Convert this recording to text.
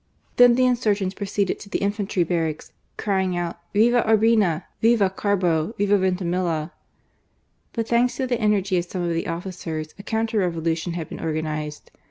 Then the insurgents proceeded to the infantry barracks, crying out. Viva Urbina ! Viva Carbo ! Viva Vintimilla I But thanks to the energy of some of the officers, a counter revolution had been organized.